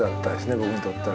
僕にとっては。